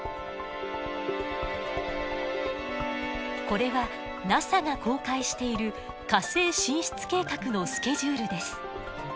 これはＮＡＳＡが公開している火星進出計画のスケジュールです。